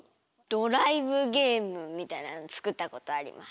ドライブゲームみたいなのつくったことあります。